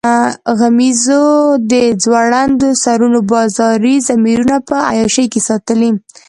غمیزو د ځوړندو سرونو بازاري ضمیرونه په عیاشۍ کې ساتلي.